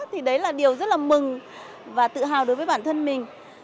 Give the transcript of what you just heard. thì đấy là điều rất là mừng và tự hào đối với bản thân mình